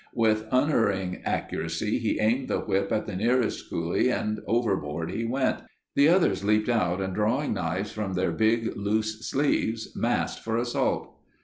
With unerring accuracy he aimed the whip at the nearest coolie and overboard he went. The others leaped out and drawing knives from their big loose sleeves, massed for assault.